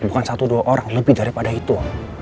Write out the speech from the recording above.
bukan satu dua orang lebih daripada itu